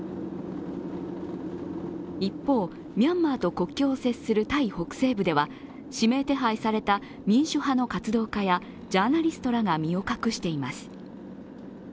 一方、ミャンマーを国境を接するタイ北西部では指名手配された民主派の活動家やジャーナリストらが身を隠しています。